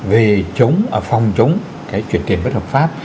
về phòng chống chuyển tiền bất hợp pháp